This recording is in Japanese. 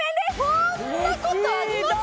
こんなことあります？